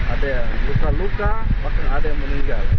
ada luka ada yang meninggal